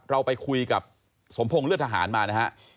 เราไปคุยกับสมพงศ์เลือดทหารมานะฮะ